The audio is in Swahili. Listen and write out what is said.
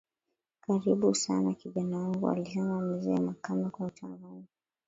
karibu sana kijana wangu alisema mzee Makame kwa uchangamfu